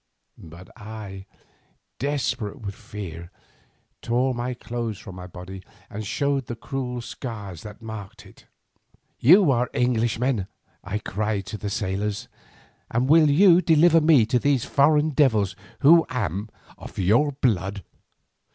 But I, desperate with fear, tore my clothes from my body and showed the cruel scars that marked it. "'You are Englishmen,' I cried to the sailors, 'and will you deliver me to these foreign devils, who am of your blood?